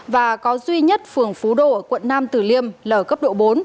và có duy nhất phường phú đô ở quận năm tử liêm là ở cấp độ bốn